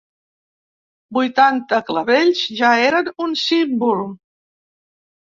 Vuitanta clavells ja eren un símbol.